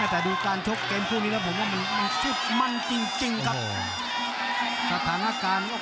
แต่ดูการชกเกมพวกนี้แล้วผมว่ามันมันสุดมั่นจริงครับสถานการณ์ก็